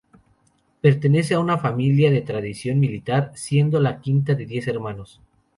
Pertenece a una familia de tradición militar, siendo la quinta de diez hermanos.